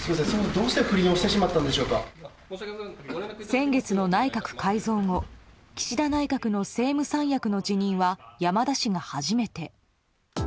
先月の内閣改造後岸田内閣の政務三役の辞任は山田氏が初めて。